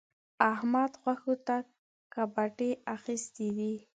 احمد؛ غوښو ته کپڼۍ اخيستی دی.